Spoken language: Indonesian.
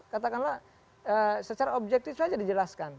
katakanlah secara objektif saja dijelaskan